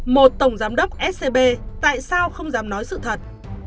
một tổng giám đốc scb tại sao không dám nói sự thật